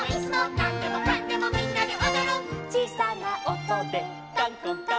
「なんでもかんでもみんなでおどる」「ちいさなおとでかんこんかん」